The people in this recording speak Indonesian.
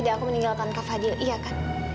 dan aku meninggalkan fadil iya kan